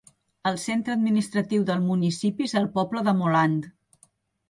El centre administratiu del municipi és el poble de Moland.